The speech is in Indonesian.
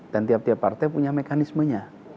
dan tiap tiap partai punya mekanismenya